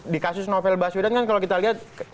di kasus novel baswedan kan kalau kita lihat